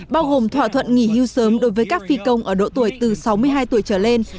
bao gồm thỏa thuận nghỉ hưu sớm đối với các phi công ở độ tuổi từ sáu mươi hai tuổi trở lên